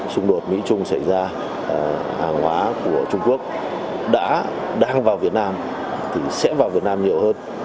xung đột mỹ trung xảy ra hàng hóa của trung quốc đã đang vào việt nam thì sẽ vào việt nam nhiều hơn